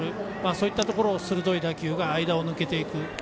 そういったところを鋭い打球が間を抜けていく。